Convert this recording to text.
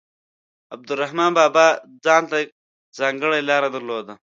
عبدالرحمان بابا ځانته ځانګړې لاره درلوده.